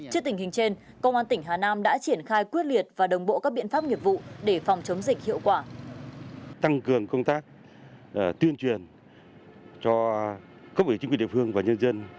trước tình hình trên công an tỉnh hà nam đã triển khai quyết liệt và đồng bộ các biện pháp nghiệp vụ để phòng chống dịch hiệu quả